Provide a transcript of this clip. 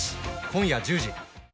今夜１０時。